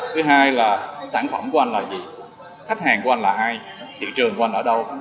cái hai là sản phẩm của anh là gì khách hàng của anh là ai thị trường của anh ở đâu